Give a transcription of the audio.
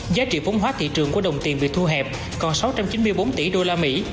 giá trị vốn hóa thị trường của đồng tiền bị thu hẹp còn sáu trăm chín mươi bốn tỷ usd